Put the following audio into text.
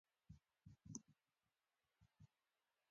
د وخت ارزښت باید هر څوک وپېژني.